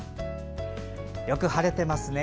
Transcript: よく晴れてますね。